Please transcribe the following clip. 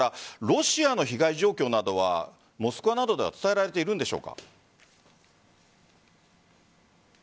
ロシアの被害状況などはモスクワなどでは伝えられているんでしょうか？